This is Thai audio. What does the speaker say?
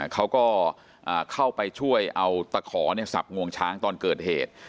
เขาก็เข้าไปช่วยเอาตะขอสับงวงช้างตอนเกิดเหตุ